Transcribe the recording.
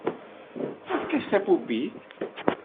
Efk-as tapupilt!